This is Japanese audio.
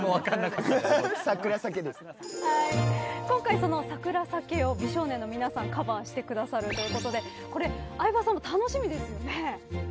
今回その『サクラ咲ケ』を美少年の皆さんカバーしてくださるということでこれ相葉さん楽しみですよね。